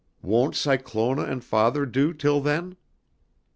"Won't Cyclona and father do till then?"